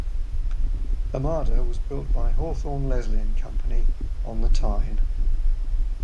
"Armada" was built by Hawthorn Leslie and Company on the Tyne.